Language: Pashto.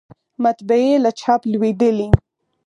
مطبعې له چاپ لویدلې